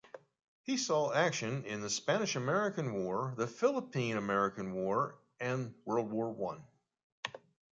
He saw action in the Spanish-American War, the Philippine-American War, and World War One.